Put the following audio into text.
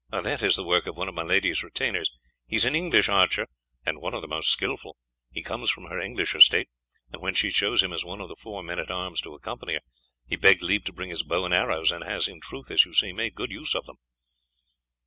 "That is the work of one of my lady's retainers. He is an English archer, and one of the most skilful. He comes from her English estate, and when she chose him as one of the four men at arms to accompany her, he begged leave to bring his bow and arrows, and has in truth, as you see, made good use of them."